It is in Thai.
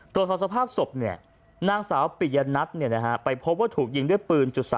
ตัวสาวสภาพศพเนี่ยนางสาวปิยะนัทไปพบว่าถูกยิงด้วยปืน๓๘